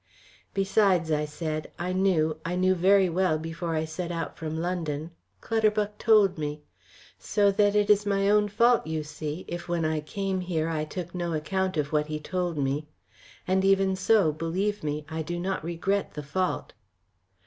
"Besides," I said, "I knew I knew very well before I set out from London, Clutterbuck told me. So that it is my own fault, you see, if when I came here I took no account of what he told me. And even so, believe me, I do not regret the fault."